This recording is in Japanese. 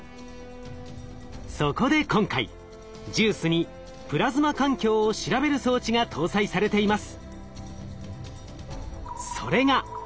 そこで今回ＪＵＩＣＥにプラズマ環境を調べる装置が搭載されています。